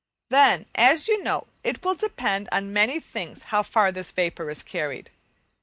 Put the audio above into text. Then, as you know, it will depend on many things how far this vapour is carried.